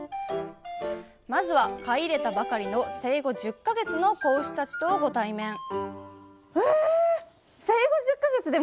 まずは買い入れたばかりの生後１０か月の子牛たちとご対面！